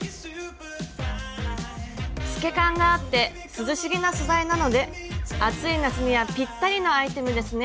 透け感があって涼しげな素材なので暑い夏にはぴったりのアイテムですね。